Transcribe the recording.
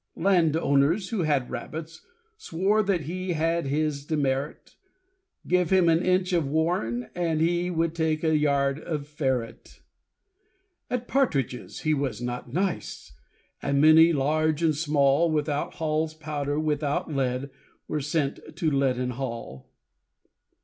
Land owners, who had rabbits, swore That he had this demerit Give him an inch of warren, he Would take a yard of ferret. At partridges he was not nice; And many, large and small, Without Hall's powder, without lead, Were sent to Leaden Hall.